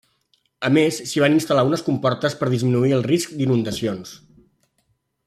A més, s'hi van instal·lar unes comportes per disminuir el risc d'inundacions.